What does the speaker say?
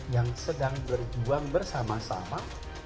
yang sedang berjuang bersama sama